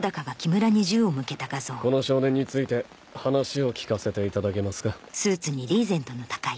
この少年について話を聞かせて頂けますか？